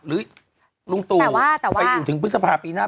ลุงตู่ไปอยู่ถึงพฤษภาปีหน้า